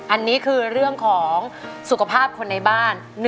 อันนี้คือเรื่องของสุขภาพคนในบ้าน